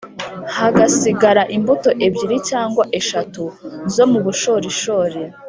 hagasigara imbuto ebyiri cyangwa eshatu zo mu bushorishori,